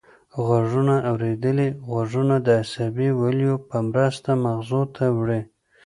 غوږونه اوریدلي غږونه د عصبي ولیو په مرسته مغزو ته وړي